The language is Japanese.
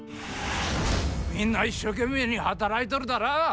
みんな一生懸命に働いとるだら？